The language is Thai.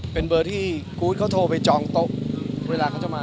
เป็นเบอร์ที่กู๊ดเขาโทรไปจองโต๊ะเวลาเขาจะมา